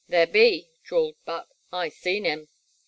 '* There be," drawled Buck, '' I seen him."